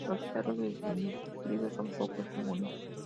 Los perros desnutridos son poco comunes.